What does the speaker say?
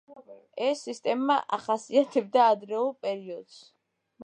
ეს სისტემა ახასიათებდა ადრეულ პერიოდს.